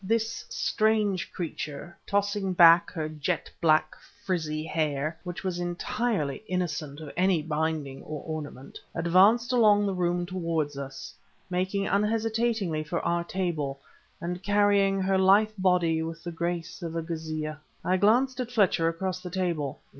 This strange creature, tossing back her jet black, frizzy hair, which was entirely innocent of any binding or ornament, advanced along the room towards us, making unhesitatingly for our table, and carrying her lithe body with the grace of a Gházeeyeh. I glanced at Fletcher across the table.